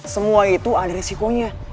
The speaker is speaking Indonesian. semua itu ada resikonya